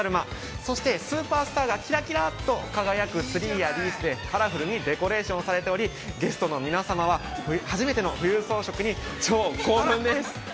そしてスーパースターが輝くツリーやレースでカラフルにデコレーションされておりゲストの皆様はきょうの初めての冬装飾に、超興奮です。